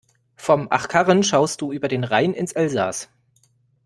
Vom Achkarren schaust du über den Rhein ins Elsaß.